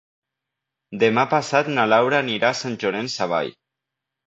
Demà passat na Laura anirà a Sant Llorenç Savall.